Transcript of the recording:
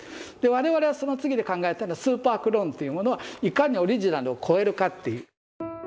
で我々はその次で考えた「スーパークローン」っていうものはいかにオリジナルを超えるかっていう。